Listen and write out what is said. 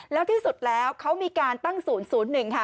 แล้วที่สุดแล้วเขามีการตั้งศูนย์ศูนย์๐๑ค่ะ